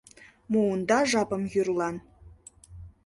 — Муында жапым йӱрлан.